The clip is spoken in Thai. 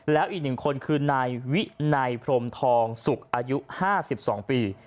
แล้วอีก๑คนคือนายวินัยพรมทองสุกอายุ๕๒ปี